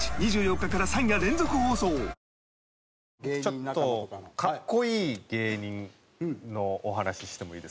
ちょっとかっこいい芸人のお話してもいいですか？